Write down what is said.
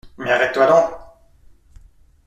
Mais arrête-toi donc !…